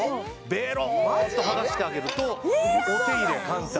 ベロンと剥がしてあげるとお手入れ簡単！